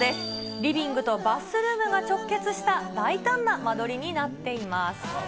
リビングとバスルームが直結した、大胆な間取りになっています。